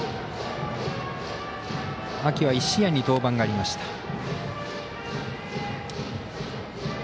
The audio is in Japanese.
秋は１試合に登板がありました。